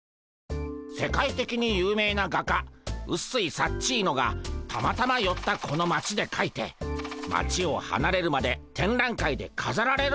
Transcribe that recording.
世界的に有名な画家ウッスイ・サッチーノがたまたまよったこの街でかいて街をはなれるまで展覧会でかざられるんでゴンス。